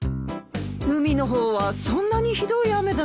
海の方はそんなにひどい雨だったんですか。